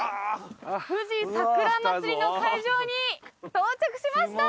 富士桜まつりの会場に到着しました。